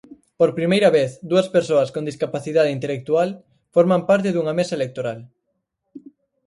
Por primeira vez dúas persoas con discapacidade intelectual forman parte dunha mesa electoral.